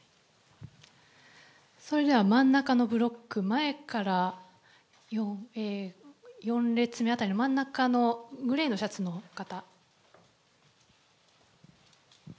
それでは真ん中のブロック、前から４列目辺りの真ん中のグレーのシャツの方。